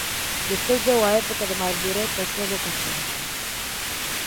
Despois veu a época de madurez da súa vocación.